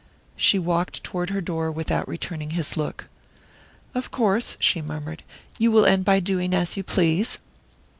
She walked toward her door without returning his look. "Of course," she murmured, "you will end by doing as you please."